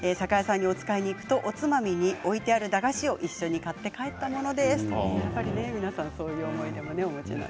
酒屋さんにお使いに行くとおつまみに置いてあった駄菓子を一緒に買って帰ったものです。